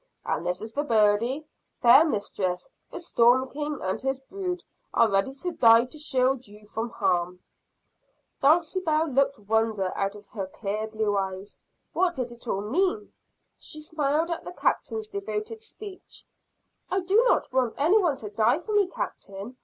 And this is the birdie! Fair Mistress, the "Storm King" and his brood are ready to die to shield you from harm." Dulcibel looked wonder out of her clear blue eyes. What did it all mean? She smiled at the Captain's devoted speech. "I do not want any one to die for me, Captain.